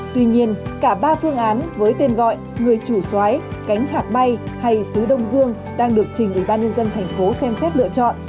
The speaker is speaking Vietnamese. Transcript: tuy nhiên cả ba phương án với tên gọi người chủ xoái cánh hạc may hay xứ đông dương đang được trình ubnd tp xem xét lựa chọn